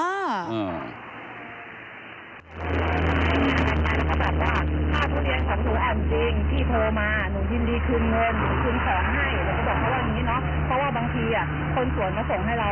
ว่าทุเรียนรากเป็นยังไงบ้างอะไรประมาณนี้ค่ะ